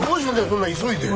そんな急いで。